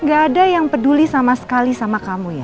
gak ada yang peduli sama sekali sama kamu ya